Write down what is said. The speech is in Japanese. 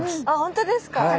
あほんとですか？